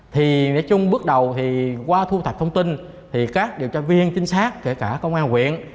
thì nói chung bước đầu thì qua thu thập thông tin thì các điều tra viên chính sát kể cả công an huyện